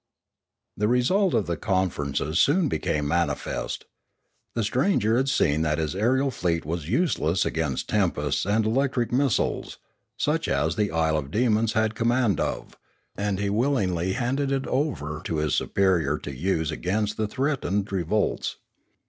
The result of the conferences soon became manifest. The stranger had seen that his aerial fleet was useless against tempests and electric missiles, such as the isle of demons had command of, and he willingly handed it over to his superior to use against the threatened re volts.